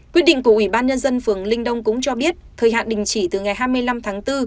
quyết định của ubnd phường linh đông cũng cho biết thời hạn đình chỉ từ ngày hai mươi năm tháng bốn